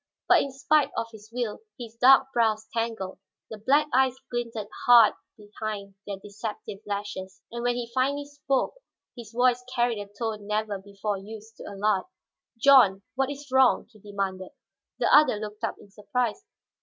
But in spite of his will, his dark brows tangled, the black eyes glinted hard behind their deceptive lashes. And when he finally spoke, his voice carried a tone never before used to Allard. "John, what is wrong?" he demanded. The other looked up in surprise.